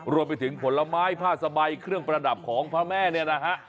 รวมไปถึงผลไม้ผ้าสบายเครื่องประดับของพระแม่เนี่ยนะฮะ